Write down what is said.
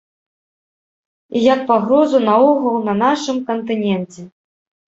І як пагрозу наогул на нашым кантыненце!